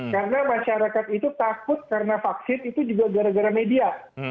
karena masyarakat itu takut karena vaksin itu juga gara gara media